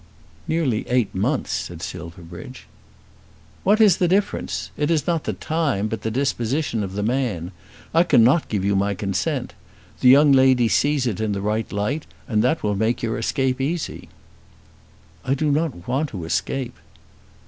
"Nearly eight months," said Silverbridge. "What is the difference? It is not the time, but the disposition of the man! I cannot give you my consent. The young lady sees it in the right light, and that will make your escape easy." "I do not want to escape."